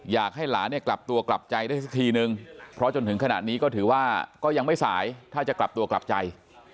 อยากให้หลานเนี่ยกลับตัวกลับใจได้สักทีนึงเพราะจนถึงขณะนี้ก็ถือว่าก็ยังไม่สายถ้าจะกลับตัวกลับใจ